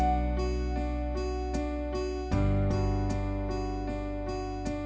ayo udah udah ketinggalan aja mereka